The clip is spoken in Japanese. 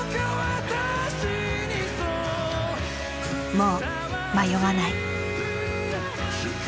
もう迷わない。